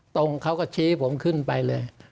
ตรงเขาก็ชี้ผมขึ้นไปเลย